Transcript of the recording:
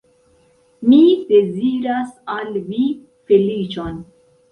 Mi deziras al vi feliĉon.